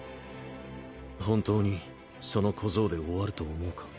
本当にその小僧で終わると思うか？